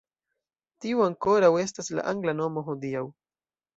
Tiu ankoraŭ estas la angla nomo hodiaŭ.